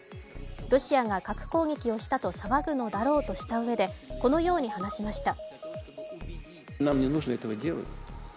ロシアが核攻撃をしたと騒ぐのだろうとしたうえで、このように話しました。